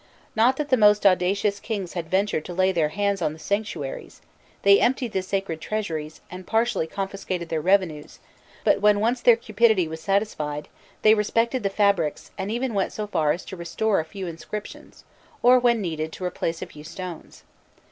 Not that the most audacious kings had ventured to lay their hands on the sanctuaries: they emptied the sacred treasuries, and partially confiscated their revenues, but when once their cupidity was satisfied, they respected the fabrics, and even went so far as to restore a few inscriptions, or, when needed, to replace a few stones.